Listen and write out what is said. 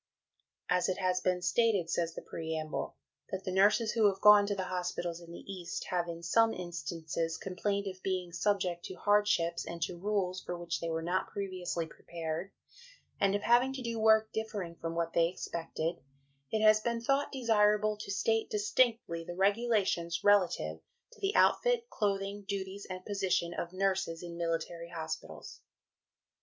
"As it has been stated," says the preamble, "that the nurses who have gone to the hospitals in the East, have in some instances complained of being subject to hardships and to rules for which they were not previously prepared, and of having to do work differing from what they expected, it has been thought desirable to state distinctly the regulations relative to the outfit, clothing, duties, and position of nurses in military hospitals."